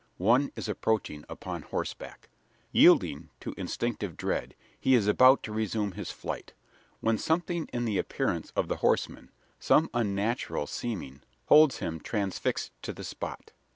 One is approaching upon horseback. Yielding to instinctive dread, he is about to resume his flight: when something in the appearance of the horseman some unnatural seeming holds him transfixed to the spot.